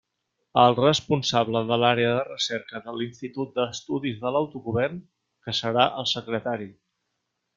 El responsable de l'Àrea de Recerca de l'Institut d'Estudis de l'Autogovern, que serà el secretari.